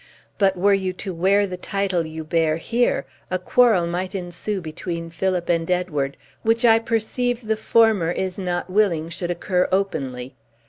But were you to wear the title you bear here, a quarrel might ensue between Philip and Edward, which I perceive the former is not willing should occur openly.